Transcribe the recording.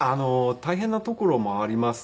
大変なところもあります。